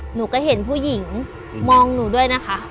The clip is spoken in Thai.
หนูก็เห็นผู้หญิงมองหนูด้วยนะคะ